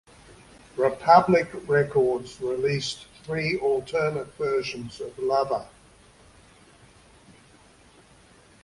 Republic Records released three alternate versions of "Lover".